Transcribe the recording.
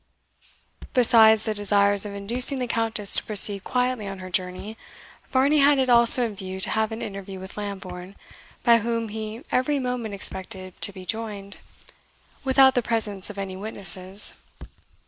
Besides the desire of inducing the Countess to proceed quietly on her journey, Varney had it also in view to have an interview with Lambourne, by whom he every moment expected to be joined, without the presence of any witnesses.